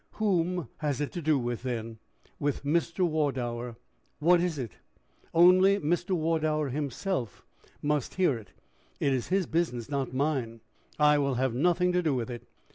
"Whom has it to do with, then?" "With Mr. Wardour." "What is it?" "Only Mr. Wardour himself must hear it. It is his business, not mine." "I will have nothing to do with it."